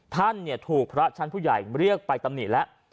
ท่านถูกพระชั้นผู้ใหญ่เรียกไปตำหนิแล้ว